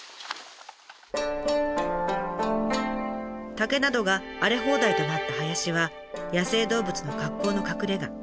竹などが荒れ放題となった林は野生動物の格好の隠れ処。